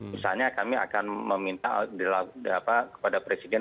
misalnya kami akan meminta kepada presiden